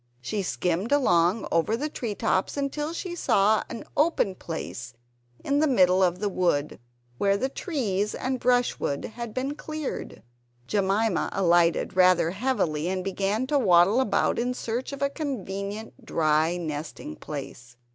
She skimmed along over the treetops until she saw an open place in the middle of the wood, where the trees and brushwood had been cleared. Jemima alighted rather heavily and began to waddle about in search of a convenient dry nesting place.